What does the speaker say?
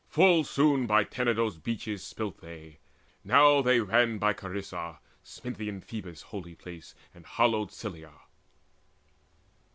Full soon By Tenedos' beaches slipt they: now they ran By Chrysa, Sminthian Phoebus' holy place, And hallowed Cilla.